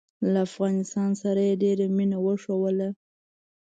له افغانستان سره یې ډېره مینه وښودله.